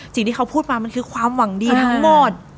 สิ่งที่เขาพูดมามันคือความหวังดีทั้งหมด